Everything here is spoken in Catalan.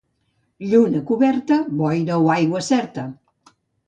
Lluna coberta, boira o aigua certa.